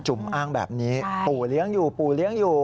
อ้างแบบนี้ปู่เลี้ยงอยู่ปู่เลี้ยงอยู่